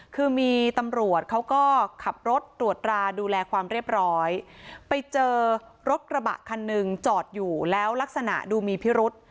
คือมีตำรวจเขาก็ขับรถตรวจราดูแลความเรียบร้อยไปเจอรถกระบะคันหนึ่งจอดอยู่แล้วลักษณะดูมีพิรุษ